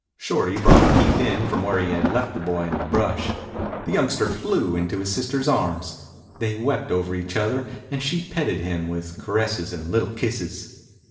Shorty brought Keith in from where he had left the boy in the brush. The youngster flew into his sister's arms. They wept over each other and she petted him with caresses and little kisses.